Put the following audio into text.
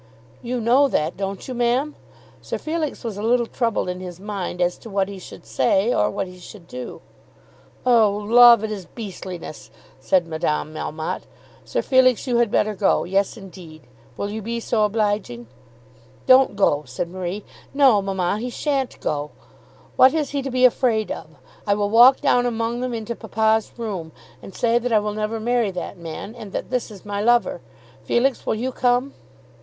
"You know that, don't you, ma'am?" Sir Felix was a little troubled in his mind as to what he should say, or what he should do. "Oh, love! It is a beastliness," said Madame Melmotte. "Sir Felix, you had better go. Yes, indeed. Will you be so obliging?" "Don't go," said Marie. "No, mamma, he shan't go. What has he to be afraid of? I will walk down among them into papa's room, and say that I will never marry that man, and that this is my lover. Felix, will you come?"